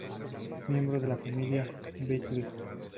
Miembro de la familia Bethlen.